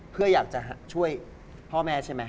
เพื่ออยากจะช่วยพ่อแม่ใช่ไหม